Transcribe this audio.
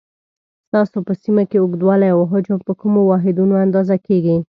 ستاسو په سیمه کې اوږدوالی او حجم په کومو واحدونو اندازه کېږي؟